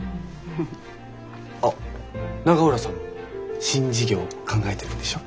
あっ永浦さんも新事業考えてるんでしょ？